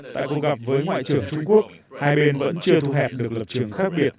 tại cuộc gặp với ngoại trưởng trung quốc hai bên vẫn chưa thu hẹp được lập trường khác biệt